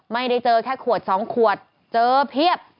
ไม่ได้เจอแค่ขวด๒ขวดเจอเพียบ